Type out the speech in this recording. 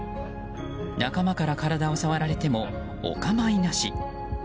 仲間から体を触られてもお構いなし。